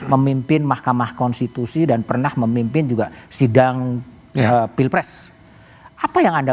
memimpin mahkamah konstitusi dan pernah memimpin juga sidang pilpres apa yang anda